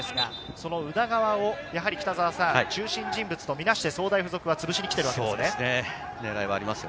その宇田川を中心人物とみなして、つぶしに来ているわけですね。